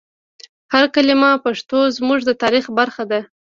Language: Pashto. هر کلمه پښتو زموږ د تاریخ برخه ده.